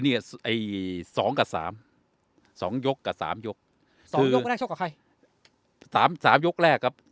ไอ้สองกับสามสองยกกับสามยกสองยกไม่ได้ชกกับใครสามสามยกแรกครับ